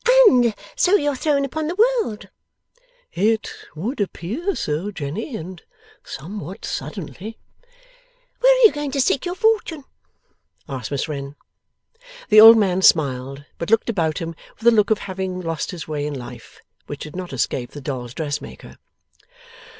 'And so you're thrown upon the world!' 'It would appear so, Jenny, and somewhat suddenly.' 'Where are you going to seek your fortune?' asked Miss Wren. The old man smiled, but looked about him with a look of having lost his way in life, which did not escape the dolls' dressmaker.